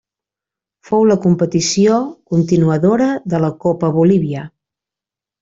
Fou la competició continuadora de la Copa Bolívia.